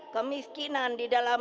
kemiskinan di dalam